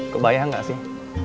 kebayang gak sih